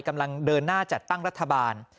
กำลังเดินหน้าจัดตั้งรัฐบาล